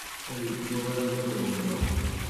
Ad dduɣ arma d Roma.